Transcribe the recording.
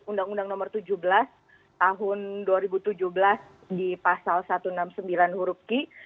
undang undang nomor tujuh belas tahun dua ribu tujuh belas di pasal satu ratus enam puluh sembilan huruf q